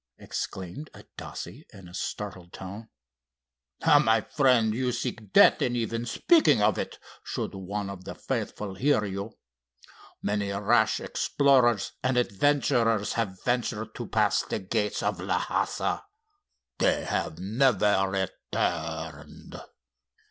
exclaimed Adasse, in a startled tone. "Ah, my friend, you seek death in even speaking of it, should one of the faithful hear you. Many rash explorers and adventurers have ventured to pass the gates of Lhassa. They have never returned."